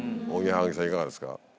おぎやはぎさんいかがですか？